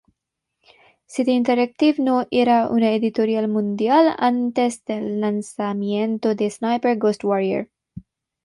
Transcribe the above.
City Interactive no era una editorial mundial antes del lanzamiento de Sniper: Ghost Warrior.